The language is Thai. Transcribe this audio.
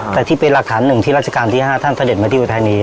แต่ที่เป็นหลักฐานหนึ่งที่ราชการที่๕ท่านเสด็จมาที่อุทัย